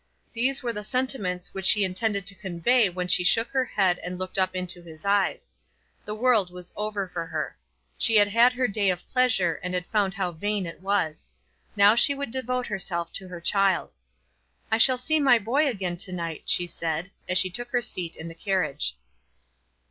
These were the sentiments which she intended to convey when she shook her head and looked up into his eyes. The world was over for her. She had had her day of pleasure, and found how vain it was. Now she would devote herself to her child. "I shall see my boy again to night," she said, as she took her seat in the carriage.